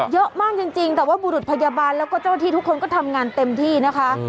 เยอะมากจริงแต่ว่าบุรุษพยาบาลแล้วก็เจ้าหน้าที่ทุกคนก็ทำงานเต็มที่นะคะ